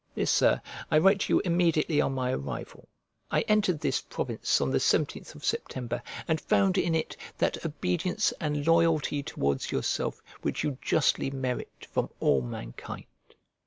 This, Sir, I write to you immediately on my arrival. I entered this province on the 17th of September, and found in it that obedience and loyalty towards yourself which you justly merit from all mankind.